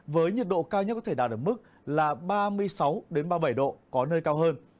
với nhiệt độ cao nhất có thể đạt ở mức là ba mươi sáu ba mươi bảy độ có nơi cao hơn